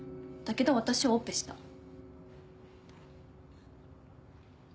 だけど私をオペした。